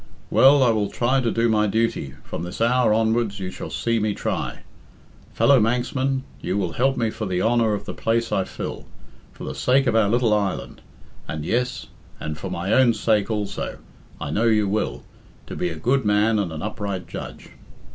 "Well, I will try to do my duty from this hour onwards you shall see me try. Fellow Manxmen, you will help me for the honour of the place I fill, for the sake of our little island, and yes, and for my own sake also, I know you will to be a good man and an upright judge.